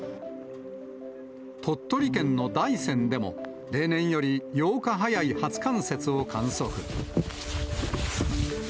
鳥取県の大山でも、例年より８日早い初冠雪を観測。